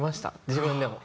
自分でも。